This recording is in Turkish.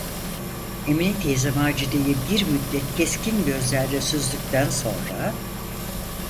Emine teyze Macide’yi bir müddet keskin gözlerle süzdükten sonra: